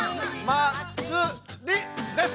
「まつり」です。